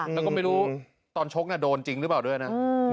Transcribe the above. แล้วก็ไม่รู้ตอนชกโดนจริงหรือเปล่าด้วยนะ